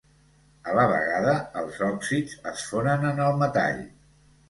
A la vegada, els òxids es fonen en el metall.